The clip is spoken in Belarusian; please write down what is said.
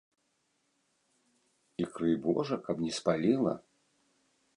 І крый божа, каб не спаліла!